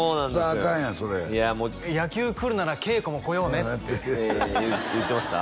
アカンやんそれ野球来るなら稽古も来ようねって言ってました？